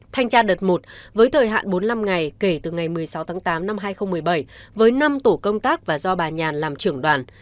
thanh tra đợt một với thời hạn bốn mươi năm ngày kể từ ngày một mươi sáu tháng tám năm hai nghìn một mươi bảy với năm tổ công tác và do bà nhàn làm trưởng đoàn